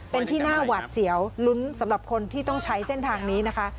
เป็นที่น่าหวาดเสียวลุ้นสำหรับคนที่ต้องใช้เส้นทางนี้นะคะ